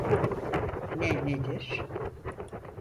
Ne nedir?